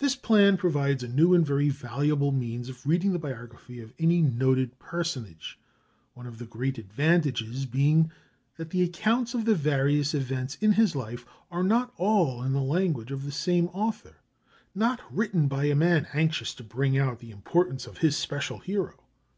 This plan provides a new and very valuable means of reading the biography of any noted personage, one of the great advantages being that the accounts of the various events in his life are not all in the language of the same author, not written by a man anxious to bring out the importance of his special hero.